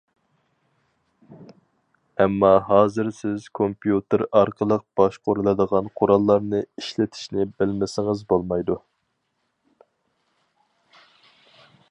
ئەمما ھازىر سىز كومپيۇتېر ئارقىلىق باشقۇرۇلىدىغان قوراللارنى ئىشلىتىشنى بىلمىسىڭىز بولمايدۇ.